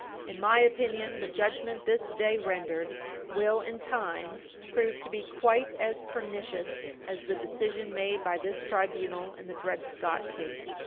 In my opinion, the judgment this day rendered will, in time, prove to be quite as pernicious as the decision made by this tribunal in the Dred Scott Case.